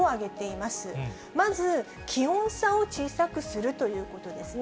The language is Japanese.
まず気温差を小さくするということですね。